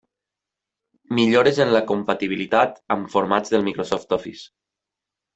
Millores en la compatibilitat amb formats del Microsoft Office.